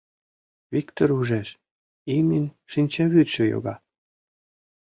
Виктор ужеш: имньын шинчавӱдшӧ йога.